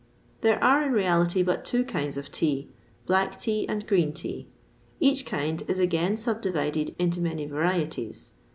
There are, in reality, but two kinds of tea, black tea and green tea; each kind is again subdivided into many varieties.